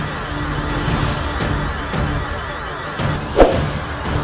atau lebih banyak yang dapat kita lakukan